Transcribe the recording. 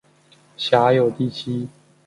辖有第七。